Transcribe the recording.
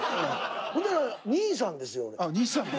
ほんだら兄さんですよ。